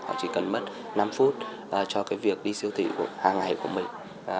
họ chỉ cần mất năm phút cho cái việc đi siêu thị hàng ngày của mình